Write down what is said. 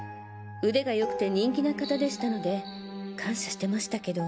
腕がよくて人気な方でしたので感謝してましたけど。